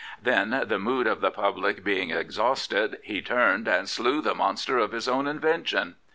Then, the mood of the public being exhausted, he turned and slew the monster of his own invention.